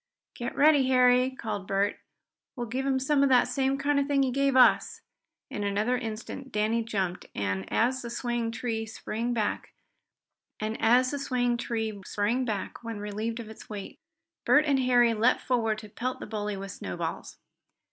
"Get ready, Harry!" called Bert. "We'll give him some of the same kind of a thing he gave us!" In another instant Danny jumped, and as the swaying tree sprang back, when relieved of his weight, Bert and Harry leaped forward to pelt the bully with snowballs.